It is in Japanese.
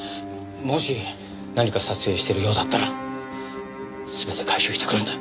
もし何か撮影してるようだったら全て回収してくるんだ。